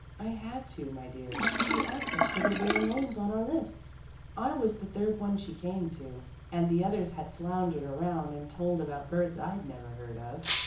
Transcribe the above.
"I had to, my dear. She asked us for the rare names on our lists. I was the third one she came to, and the others had floundered around and told about birds I'd never heard of.